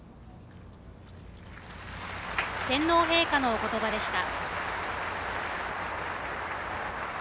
天皇陛下のおことばでした。